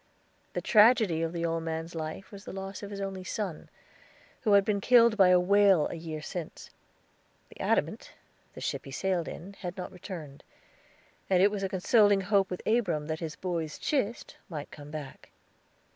The tragedy of the old man's life was the loss of his only son, who had been killed by a whale a year since. The Adamant, the ship he sailed in, had not returned, and it was a consoling hope with Abram that his boy's chist might come back.